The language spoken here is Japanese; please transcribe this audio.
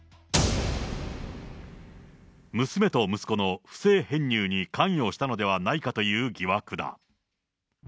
娘と息子の不正編入に関与したのではないかという疑惑だ。